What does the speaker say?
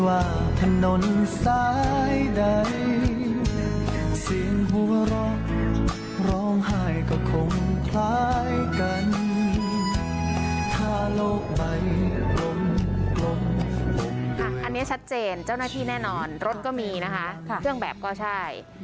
อันนี้ชัดเจนเจ้าหน้าที่แน่นอนรถก็มีนะคะเครื่องแบบก็ใช่